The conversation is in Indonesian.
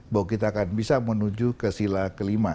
bahwa kita akan bisa menuju ke sila kelima